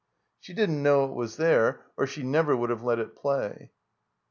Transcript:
She didn't know it was there, or she never would have let it play.